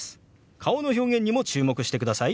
顔の表現にも注目してください。